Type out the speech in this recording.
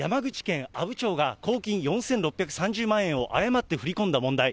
山口県阿武町が公金４６３０万円を誤って振り込んだ問題。